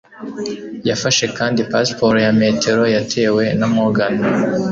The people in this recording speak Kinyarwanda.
Yafashe kandi pasiporo ya metero yatewe na Morgan